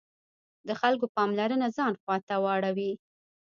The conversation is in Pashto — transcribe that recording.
د خلکو پاملرنه ځان خواته واړوي.